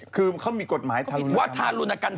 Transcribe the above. คือเขามีกฎหมายว่าทารุณกรรม